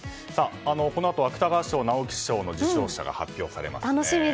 このあと芥川賞、直木賞の受賞者が発表されますね。